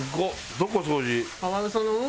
どこ？掃除。